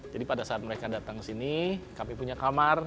jadi pada saat mereka datang ke sini kami punya kamar